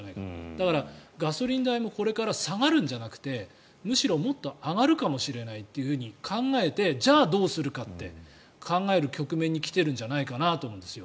だから、ガソリン代もこれから下がるんじゃなくてむしろもっと上がるかもしれないと考えてじゃあどうするかって考える局面に来てるんじゃないかなと思うんですよ。